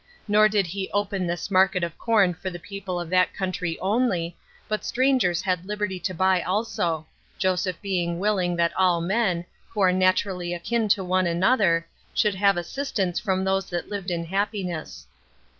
Nor did he open this market of corn for the people of that country only, but strangers had liberty to buy also; Joseph being willing that all men, who are naturally akin to one another, should have assistance from those that lived in happiness.